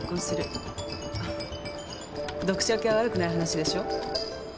アハ読者受けは悪くない話でしょ？